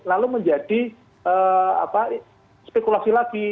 lalu menjadi spekulasi lagi